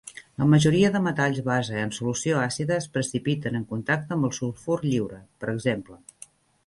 La majoria de metalls base en solució àcida es precipiten en contacte amb el sulfur lliure, p. ex.